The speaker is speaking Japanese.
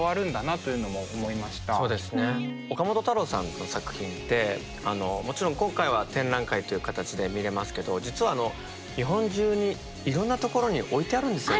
岡本太郎さんの作品ってもちろん今回は展覧会という形で見れますけど実は日本中にいろんなところに置いてあるんですよね。